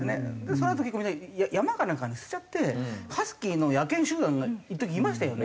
そのあと結構みんな山かなんかに捨てちゃってハスキーの野犬集団がいっときいましたよね。